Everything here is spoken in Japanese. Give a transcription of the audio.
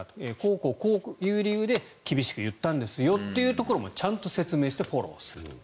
こうこういう理由で厳しく言ったんですよっていうところもちゃんと説明してフォローすると。